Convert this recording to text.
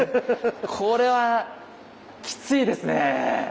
これはきついですね。